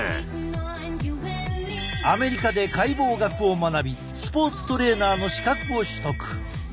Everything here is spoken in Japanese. アメリカで解剖学を学びスポーツトレーナーの資格を取得。